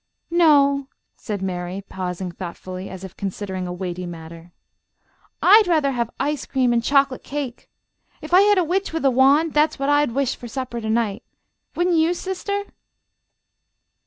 "No," said Mary, pausing thoughtfully, as if considering a weighty matter. "I'd rather have ice cream and chocolate cake. If I had a witch with a wand that's what I'd wish for supper to night. Wouldn't you, sister?"